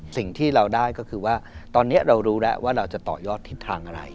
สิ่งที่เราได้ก็คือว่าตอนนี้เรารู้แล้วว่าเราจะต่อยอดทิศทางอะไร